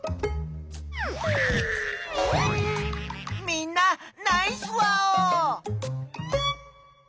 みんなナイスワオ！